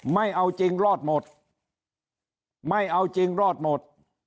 ไม่เอาจริงรอดหมดไม่เอาจริงรอดหมด